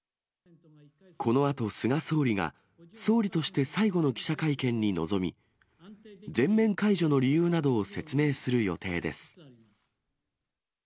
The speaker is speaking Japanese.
このあと菅総理が総理として最後の記者会見に臨み、全面解除の理由などを説明する予定です。